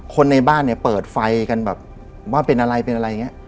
คนในบ้านเปิดไฟกันว่าเป็นอะไรอย่างนี้